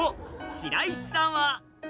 ・白石さん